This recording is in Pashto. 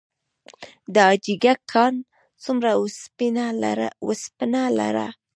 د حاجي ګک کان څومره وسپنه لري؟